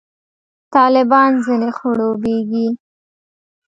طالبان ځنې خړوبېږي.